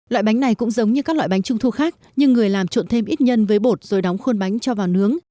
loại bánh này cũng giống như các loại bánh trung thu khác nhưng người làm trộn thêm ít nhân với bột rồi đóng khuôn bánh cho vào nướng